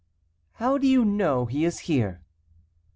"How do you know he is here?"